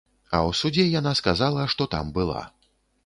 А ў судзе яна сказала, што там была.